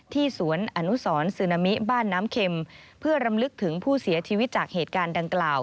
ถึงผู้เสียชีวิตจากเหตุการณ์ดังกล่าว